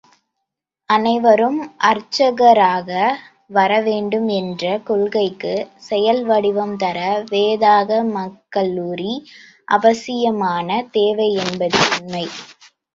அனைவரும் அர்ச்சகராக வரவேண்டும் என்ற கொள்கைக்குச் செயல் வடிவம் தர, வேதாகமக்கல்லூரி அவசியமான தேவை என்பதே உண்மை!